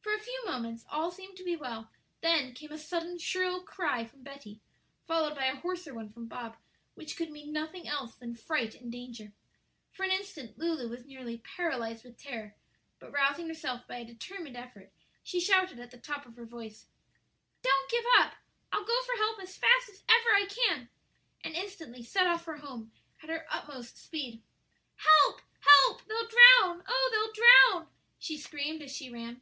For a few moments all seemed to be well; then came a sudden shrill cry from Betty, followed by a hoarser one from Bob, which could mean nothing else than fright and danger. For an instant Lulu was nearly paralyzed with terror; but rousing herself by a determined effort, she shouted at the top of her voice, "Don't give up; I'll go for help as fast as ever I can," and instantly set off for home at her utmost speed. "Help, help! they'll drown, oh, they'll drown!" she screamed as she ran.